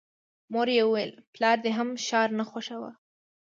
مور یې ویل چې پلار دې هم ښار نه خوښاوه